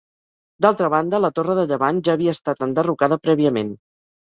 D'altra banda la torre de llevant ja havia estat enderrocada prèviament.